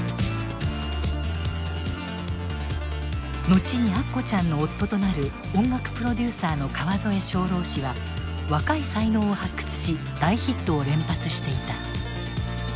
後にアッコちゃんの夫となる音楽プロデューサーの川添象郎氏は若い才能を発掘し大ヒットを連発していた。